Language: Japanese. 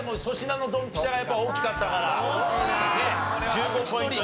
１５ポイント